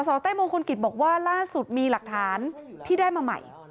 สเต้มงคลกิจบอกว่าล่าสุดมีหลักฐานที่ได้มาใหม่